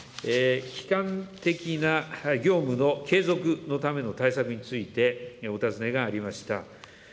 きかん的な業務の継続のための対策についてお尋ねがありました。